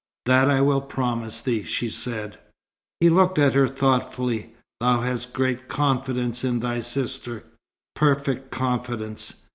"That I will promise thee," she said. He looked at her thoughtfully. "Thou hast great confidence in thy sister." "Perfect confidence."